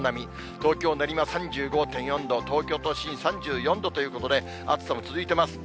東京・練馬３５．４度、東京都心３４度ということで、暑さも続いています。